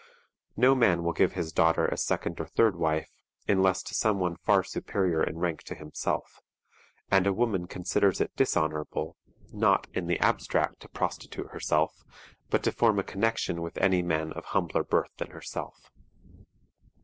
No man will give his daughter as second or third wife, unless to some one far superior in rank to himself; and a woman considers it dishonorable, not, in the abstract, to prostitute herself, but to form a connection with any man of humbler birth than herself.